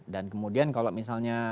dan kemudian kalau misalnya